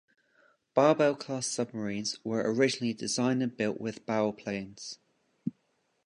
"Barbel"-class submarines were originally designed and built with bow planes.